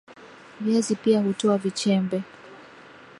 viazi pia hutoa Vichembe